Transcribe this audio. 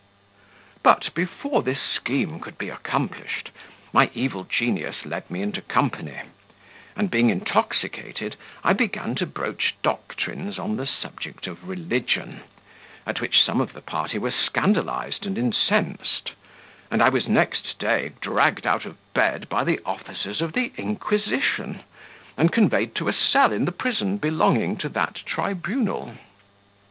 "But, before this scheme could be accomplished, my evil genius led me into company; and, being intoxicated, I began to broach doctrines on the subject of religion, at which some of the party were scandalized and incensed; and I was next day dragged out of bed by the officers of the Inquisition, and conveyed to a cell in the prison belonging to that tribunal.